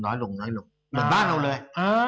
เหมือนบ้านเราเลย